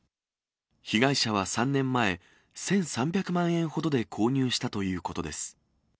被害者は３年前、１３００万円ほどで購入したということです。